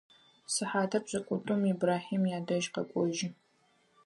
Сыхьатыр пшӏыкӏутӏум Ибрахьим ядэжь къэкӏожьы.